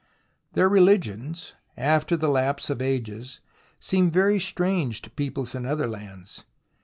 Their rehgions, after the lapse of ages, seem very strange to peoples in other lands.